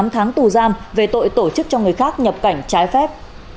một mươi tám tháng tù giam về tội tổ chức cho người khác nhập cảnh trái phép